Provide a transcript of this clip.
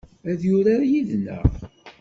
Ad yurar yid-neɣ?